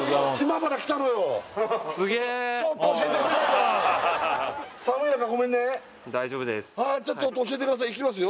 ちょっと教えてくれないかないきますよ